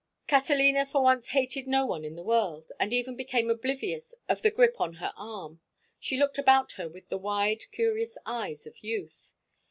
Catalina for once hated no one in the world, and even became oblivious of the grip on her arm. She looked about her with the wide, curious eyes of youth.